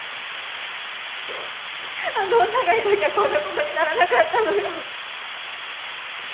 あの女がいなきゃこんな事にならなかったのよ！